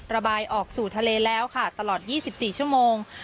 ระบายออกสู่ทะเลแล้วค่ะตลอด๒๔ชั่วโมง